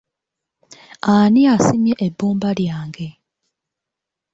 Ani asimye ebbumba lyange?